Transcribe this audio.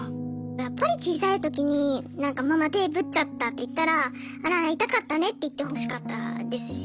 やっぱり小さい時にママ手ぶっちゃったって言ったらあら痛かったねって言ってほしかったですし。